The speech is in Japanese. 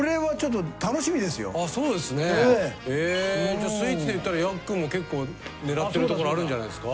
じゃスイーツでいったらヤックンも結構狙ってるところあるんじゃないですか？